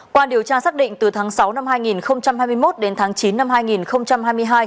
qua điều tra xác định từ tháng sáu năm hai nghìn hai mươi một đến tháng chín năm hai nghìn hai mươi hai